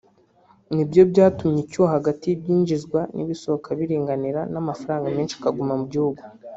ni byo byatuma icyuho hagati y’ibyinjizwa n’ibisohoka biringanira n’amafaranga menshi akaguma mu gihugu